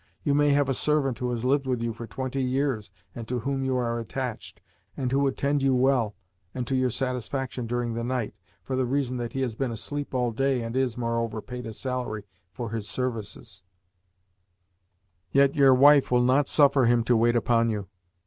You may have a servant who has lived with you for twenty years, and to whom you are attached, and who would tend you well and to your satisfaction during the night, for the reason that he has been asleep all day and is, moreover, paid a salary for his services; yet your wife will not suffer him to wait upon you.